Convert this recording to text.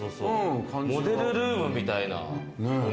モデルルームみたいな。